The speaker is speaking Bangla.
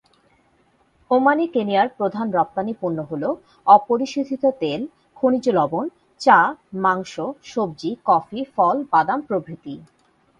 ওমানে কেনিয়ার প্রধান রপ্তানি পণ্য হল; অপরিশোধিত তেল, খনিজ লবণ, চা, মাংস, সবজি, কফি, ফল, বাদাম প্রভৃতি।